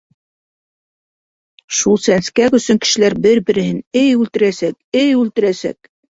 Шул сәнскәк өсөн кешеләр бер-береһен, эй, үлтерәсәк, эй, үлтерәсәк!